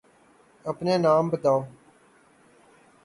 أپنے نام بتاؤ۔